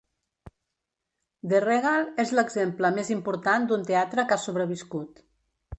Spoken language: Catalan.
The Regal és l'exemple més important d'un teatre que ha sobreviscut.